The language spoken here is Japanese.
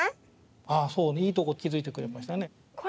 あそういいとこ気付いてくれましたね。